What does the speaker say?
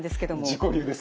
自己流で。